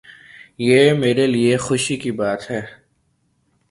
یہ میرے لیے خوشی کی بات ہے۔